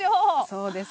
そうです。